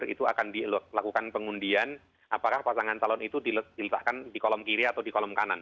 itu akan dilakukan pengundian apakah pasangan calon itu diletakkan di kolom kiri atau di kolom kanan